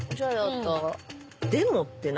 「でも」って何？